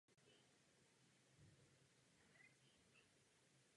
Leží v okresu Santana.